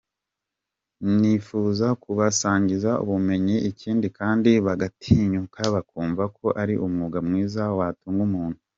Nifuza kubasangiza ubumenyi ikindi kandi bagatinyuka bakumva ko ari umwuga mwiza watunga umuntu.